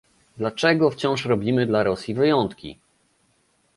Dlaczego wciąż robimy dla Rosji wyjątki?